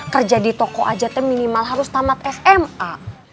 kerja di toko aja teh minimal harus tamat sma